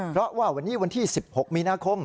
เพราะว่าวันนี้วันที่๑๖มีนาคม